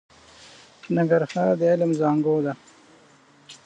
ننګرهار د علم زانګو ده.